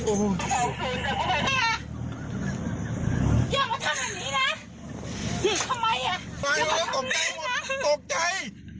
โอ๊ย